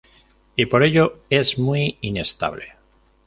Y, por ello es muy inestable.